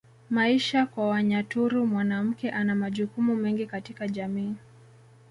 Maisha kwa Wanyaturu mwanamke ana majukumu mengi katika jamii